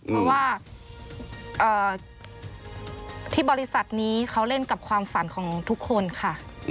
เพราะว่าที่บริษัทนี้เขาเล่นกับความฝันของทุกคนค่ะ